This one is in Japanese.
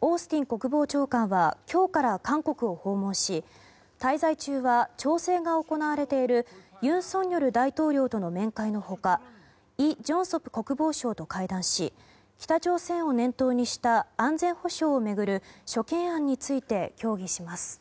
オースティン国防長官は今日から韓国を訪問し滞在中は調整が行われている尹錫悦大統領との面会の他イ・ジョンソプ国防相と会談し北朝鮮を念頭にした安全保障を巡る諸懸案について協議します。